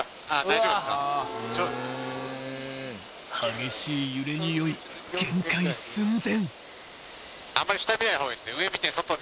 ［激しい揺れに酔い限界寸前］